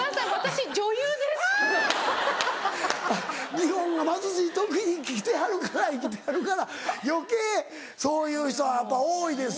日本が貧しい時に生きてはるから余計そういう人はやっぱ多いですよね。